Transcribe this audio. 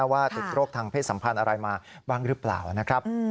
ว่าติดโรคทางเพศสัมพันธ์อะไรมาบ้างหรือเปล่านะครับ